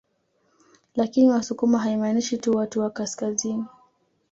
Lakini wasukuma haimaanishi tu watu wa kaskazini